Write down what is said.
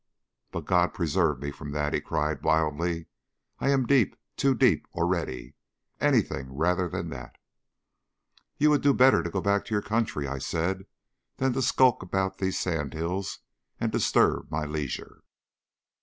But God preserve me from that," he cried wildly. "I am deep too deep already. Anything rather than that." "You would do better to go back to your country," I said, "than to skulk about these sand hills and disturb my leisure.